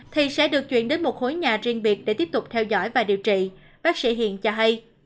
thì sẽ được chuyển đến một khối nhà riêng biệt để tiếp tục theo dõi và điều trị bác sĩ hiện cho hay